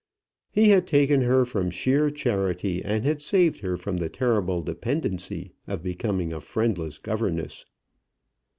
He had taken her from sheer charity, and had saved her from the terrible dependency of becoming a friendless governess.